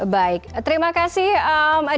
baik terima kasih